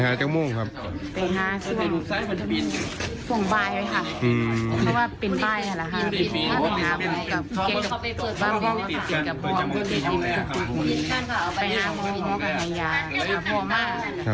พ่อพูดว่าพ่อพูดว่าพ่อพูดว่าพ่อพูดว่า